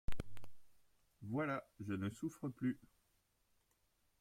Voilà! je ne souffre plus.